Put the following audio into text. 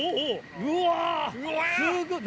うわすごい！